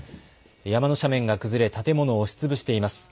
山の斜面が崩れ建物を押しつぶしています。